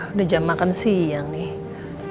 udah jam makan siang nih